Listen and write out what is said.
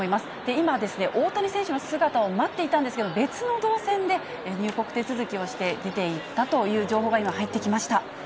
今、大谷選手の姿を待っていたんですけど、別の動線で入国手続きをして、出ていったという情報が今、入ってきました。